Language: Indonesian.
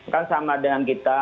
kan sama dengan kita